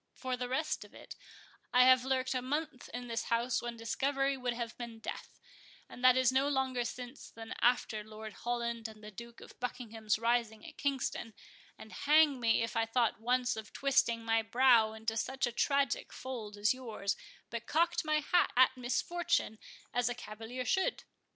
For the rest of it, I have lurked a month in this house when discovery would have been death, and that is no longer since than after Lord Holland and the Duke of Buckingham's rising at Kingston; and hang me, if I thought once of twisting my brow into such a tragic fold as yours, but cocked my hat at misfortune as a cavalier should."